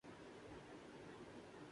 محبت کے اعتراف کے بعد پریانکا کی خفیہ شادی